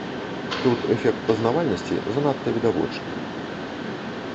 Тут эфект пазнавальнасці занадта відавочны.